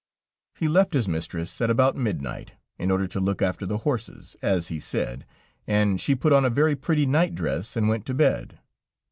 He left his mistress at about midnight, in order to look after the horses, as he said, and she put on a very pretty nightdress and went to bed.